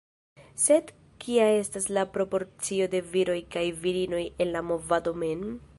Sed kia estas la proporcio de viroj kaj virinoj en la movado mem?